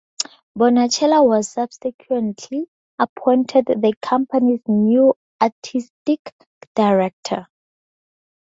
Bonachela was subsequently appointed the Company's new Artistic Director.